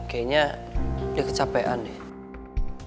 kayaknya dia kecapean deh